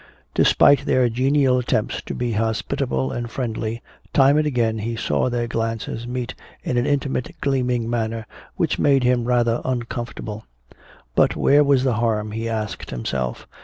Despite their genial attempts to be hospitable and friendly, time and again he saw their glances meet in an intimate gleaming manner which made him rather uncomfortable. But where was the harm, he asked himself.